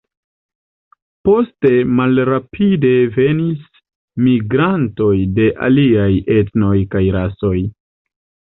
Poste malrapide venis migrantoj de aliaj etnoj kaj rasoj.